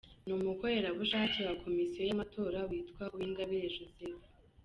n’umukorerabushake wa Komisiyo y’amatora witwa Uwingabire Joseph,.